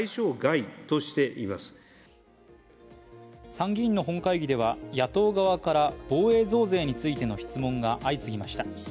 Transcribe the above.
参議院の本会議では野党側から防衛増税についての質問が相次ぎました。